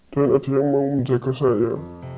dan ada yang mau menjaga saya